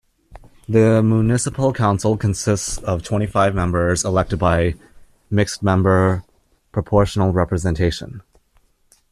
The municipal council consists of twenty-five members elected by mixed-member proportional representation.